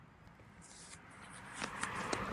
Ahora es una atracción turística muy popular.